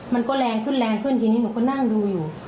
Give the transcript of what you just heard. มันก็แรงขึ้นแรงขึ้นทีนี้หนูก็นั่งดูอยู่